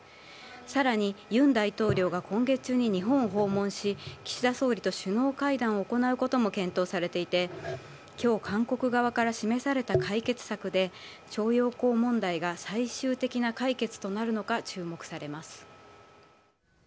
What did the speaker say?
さらにユン大統領が今月中に日本を訪問し、岸田総理と首脳会談を行うことも検討されていて、きょう、韓国側から示された解決策で、徴用工問題が最終的な解決となるのか注目されます。